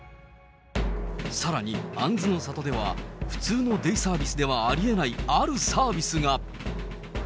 さらに杏の里では普通のデイサービスではありえない、あるサービスが。